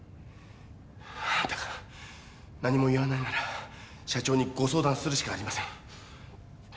あんたが何も言わないなら社長にご相談するしかありません